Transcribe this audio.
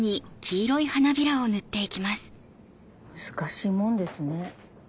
難しいもんですね。